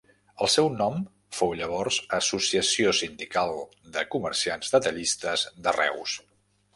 El seu nom fou llavors Associació sindical de comerciants detallistes de Reus.